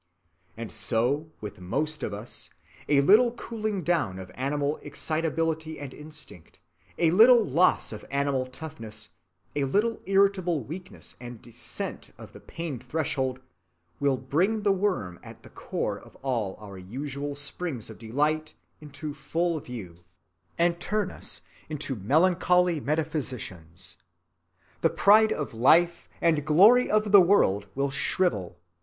And so with most of us: a little cooling down of animal excitability and instinct, a little loss of animal toughness, a little irritable weakness and descent of the pain‐threshold, will bring the worm at the core of all our usual springs of delight into full view, and turn us into melancholy metaphysicians. The pride of life and glory of the world will shrivel.